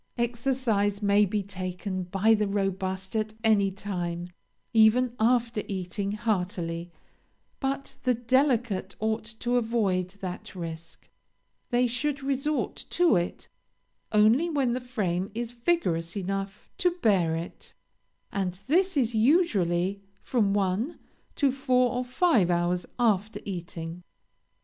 "Exercise may be taken, by the robust, at any time, even after eating heartily, but the delicate ought to avoid that risk; they should resort to it only when the frame is vigorous enough to bear it, and this is usually from one to four or five hours after eating.